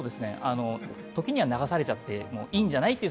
時には流されちゃってもいいんじゃない？